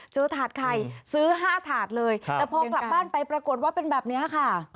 ถาดไข่ซื้อ๕ถาดเลยแต่พอกลับบ้านไปปรากฏว่าเป็นแบบนี้ค่ะ